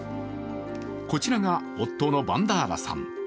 こちらが夫のバンダーラさん。